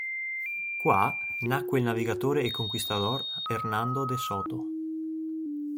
Qua nacque il navigatore e conquistador Hernando de Soto.